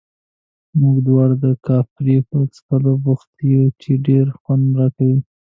موږ دواړه د کاپري په څښلو بوخت یو، چې ډېر خوند راکوي.